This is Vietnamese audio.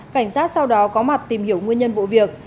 cảnh sát sau đó có mặt tìm hiểu nguyên nhân vụ việc